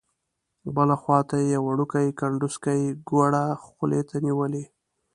بل خوا ته یې یو وړوکی کنډوسکی ګوړه خولې ته نیولې.